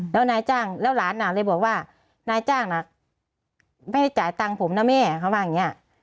แล้วนายจ้างแล้วหลานเลยบอกว่านายจ้างน่ะไม่ได้จ่ายตังค์ผมนะแม่เขาว่าอย่างนี้